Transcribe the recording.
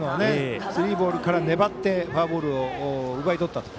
スリーボールから粘ってフォアボールを奪い取ったと。